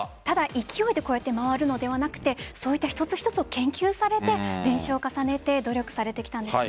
勢いで回るのではなくてそういった一つ一つを研究されて練習を重ねて努力されてきたんですね。